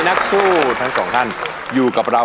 นักสู้ทั้งสองท่านอยู่กับเรา